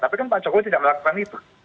tapi kan pak jokowi tidak melakukan itu